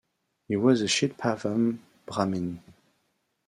He was a Chitpavan Brahmin.